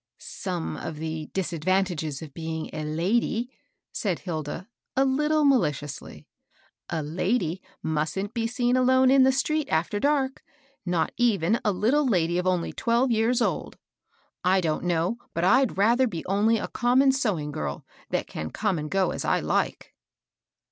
" Some of the disadvantages of being a lady^^ said Hilda, a Uttle maKdously. A lady mustn't be seen alone in the street after dark, — not even a little lady of only twelve years old. I don't know but I'd rather be only a common sewing girl, that can come and go as I like."